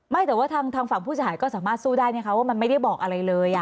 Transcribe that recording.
ไม่แต่ว่าทางทางฝั่งผู้ชายก็สามารถสู้ได้ไงครับว่ามันไม่ได้บอกอะไรเลยอ่ะ